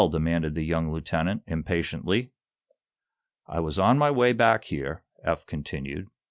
demanded the young lieutenant, impatiently. "I was on my way back here," Eph continued.